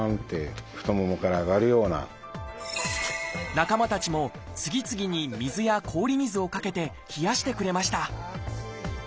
仲間たちも次々に水や氷水をかけて冷やしてくれました